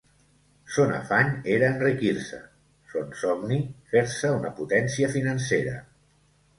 Son afany era enriquir-se; son somni, fer-se una potència financera.